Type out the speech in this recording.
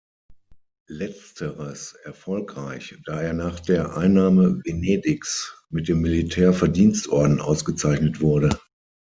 Letzteres erfolgreich, da er nach der Einnahme Venedigs mit dem Militär-Verdienstorden ausgezeichnet wurde.